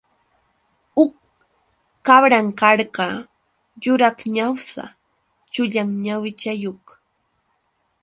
Huk kabran karqa yuraq ñawsa chullan ñawichayuq.